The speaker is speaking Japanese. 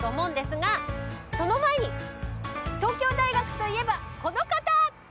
その前に東京大学といえばこの方。